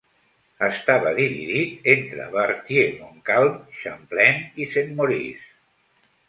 Estava dividit entre Berthier-Montcalm, Champlain i Saint-Maurice.